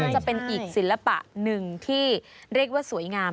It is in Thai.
จะเป็นอีกศิลปะหนึ่งที่เรียกว่าสวยงาม